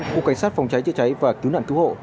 cục cảnh sát phòng cháy chữa cháy và cứu nạn cứu hộ